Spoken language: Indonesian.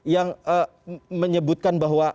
yang menyebutkan bahwa